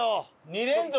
２連続。